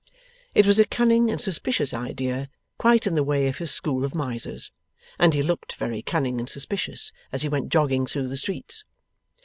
It was a cunning and suspicious idea, quite in the way of his school of Misers, and he looked very cunning and suspicious as he went jogging through the streets.